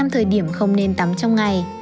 năm thời điểm không nên tắm trong ngày